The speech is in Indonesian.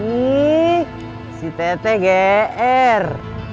ih si teh gr